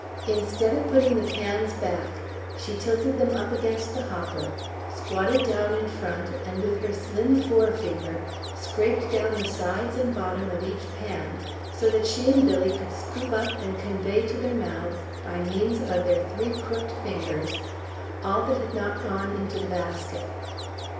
Instead of putting the pans back, she tilted them up against the hopper, squatted down in front and with her slim forefinger, scraped down the sides and bottom of each pan so that she and Billy could scoop up and convey to their mouths, by means of their three crooked fingers, all that had not gone into the basket.